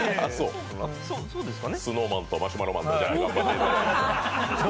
ＳｎｏｗＭａｎとマシュマロマンで頑張っていただいて。